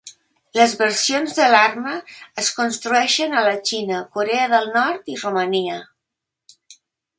Les versions de l'arma es construeixen a la Xina, Corea del Nord i Romania.